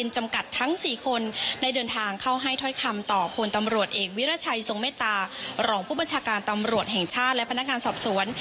จากการตำรวจแห่งชาติและพนักงานสอบสวน